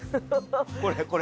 これこれ。